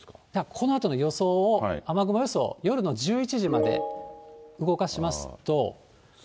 このあとの予想を、雨雲予想、夜の１１時まで動かしますと。